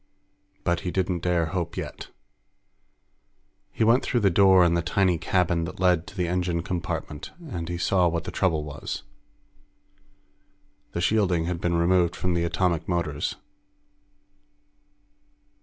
But he didn't dare hope yet. He went through the door in the tiny cabin that led to the engine compartment, and he saw what the trouble was. The shielding had been removed from the atomic motors.